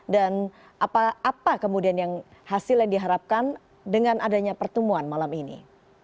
dan apa kemudian yang hasil yang diharapkan dengan adanya pertemuan malam ini